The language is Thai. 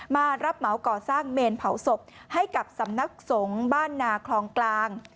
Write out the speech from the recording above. มารับเหมาก่อสร้างเมนเผาศพให้กับสำนักสงฆ์บ้านนาคลองกลาง